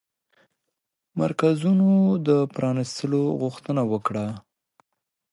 مرکزونو د پرانيستلو غوښتنه وکړه